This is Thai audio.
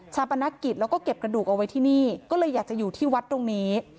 ปนักกิจแล้วก็เก็บกระดูกเอาไว้ที่นี่ก็เลยอยากจะอยู่ที่วัดตรงนี้